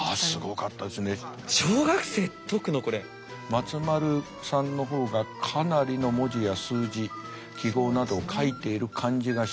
松丸さんの方がかなりの文字や数字記号などを書いている感じがします。